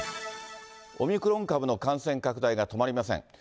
オミクロン株の感染拡大が止まりません。